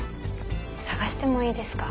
探してもいいですか？